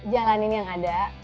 jalanin yang ada